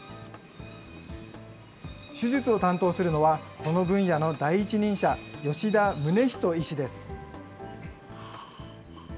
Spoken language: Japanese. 手術を担当するのは、この分野の第一人者、吉田宗人医師です。